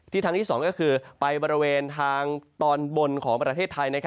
ทางที่๒ก็คือไปบริเวณทางตอนบนของประเทศไทย